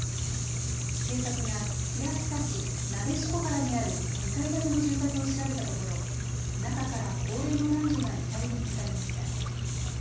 警察が平塚市撫子原にある２階建ての住宅を調べたところ中から高齢の男女が遺体で見つかりました。